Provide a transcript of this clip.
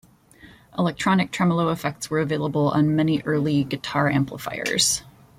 Electronic tremolo effects were available on many early guitar amplifiers.